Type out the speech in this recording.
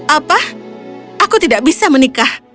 apa aku tidak bisa menikah